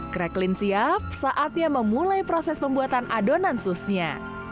croqueline siap saatnya memulai proses pembuatan adonan sousnya